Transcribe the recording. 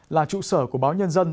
là trụ sở của báo nhân dân